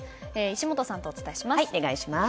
石本さんとお伝えします。